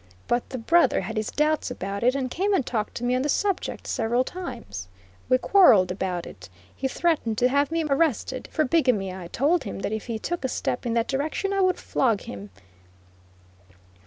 But the brother had his doubts about it, and came and talked to me on the subject several times. We quarrelled about it. He threatened to have me arrested for bigamy. I told him that if he took a step in that direction I would flog him.